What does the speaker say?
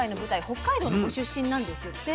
北海道のご出身なんですって。